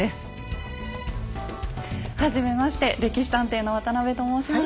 はじめまして「歴史探偵」の渡邊と申します。